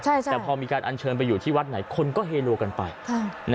แต่พอมีการอัญเชิญไปอยู่ที่วัดไหนคนก็เฮโลกันไป